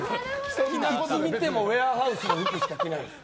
いつ見ても、ウエアハウスの服しか着ないです。